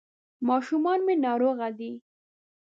ماشومان مي ناروغه دي ..